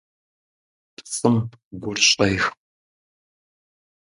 ПцIым гур щIех.